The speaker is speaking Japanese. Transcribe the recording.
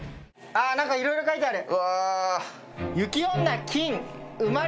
あっ何かいろいろ書いてある。